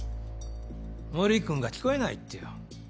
森君が聞こえないってよ。